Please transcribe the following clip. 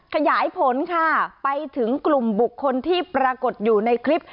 ขยายผลค่ะไปถึงกลุ่มบุคคลที่ปรากฏอยู่ในคลิป